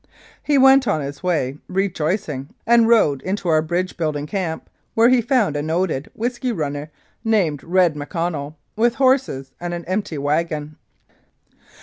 He went on his way re joicing, and presently rode into our bridge building camp, where he found a noted whisky runner named "Red McConnell," with horses and an empty wagon.